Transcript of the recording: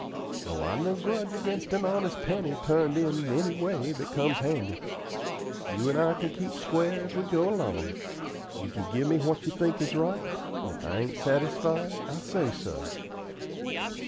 "Oh, I've no grudge against an honest penny turned in any way that comes handy. You and I can keep square as we go along. You can give me what you think is right, and if I ain't satisfied, I'll say so."